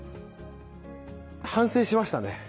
反省しましたね。